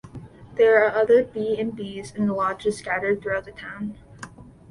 There are other B and Bs and lodges scattered throughout the town.